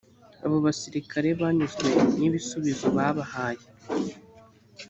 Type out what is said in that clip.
abo basirikare banyuzwe n’ibisubizo babahaye